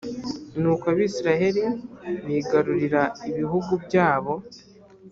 nuko abayisraheli bigarurira ibihugu byabo,